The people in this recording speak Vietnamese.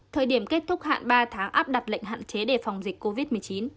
thời điểm kết thúc hạn ba tháng áp đặt lệnh hạn chế đề phòng dịch covid một mươi chín